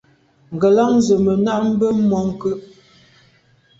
Ngelan ze me na’ mbe mônke’.